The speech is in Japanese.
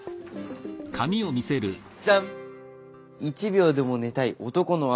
じゃん！